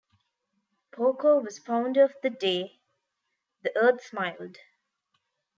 Porco was founder of The Day the Earth Smiled.